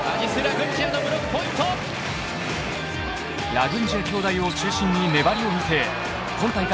ラグンジヤ兄弟を中心に粘りを見せ今大会